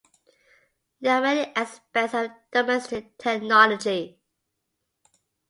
There are many aspects of domestic technology.